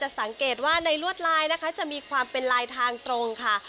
สังเกตว่าในลวดลายนะคะจะมีความเป็นลายทางตรงค่ะ